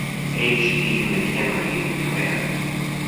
H. D. McHenry in command.